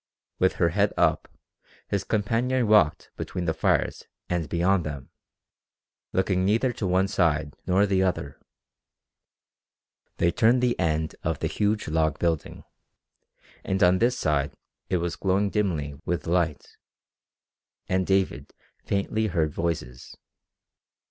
With her head up, his companion walked between the fires and beyond them, looking neither to one side nor the other. They turned the end of the huge log building and on this side it was glowing dimly with light, and David faintly heard voices.